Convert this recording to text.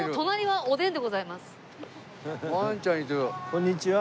こんにちは。